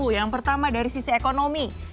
yang pertama dari sisi ekonomi